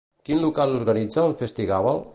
Quin local organitza el Festigàbal?